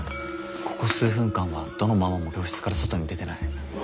ここ数分間はどのママも教室から外に出てない。